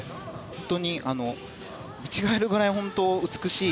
本当に見違えるぐらい美しい